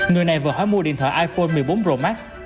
người này vờ hỏi mua điện thoại iphone một mươi bốn romac